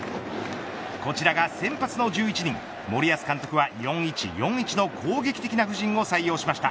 こちらが先発の１１人森保監督は４−１−４−１の攻撃的な布陣を採用しました。